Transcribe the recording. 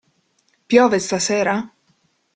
Piove stasera?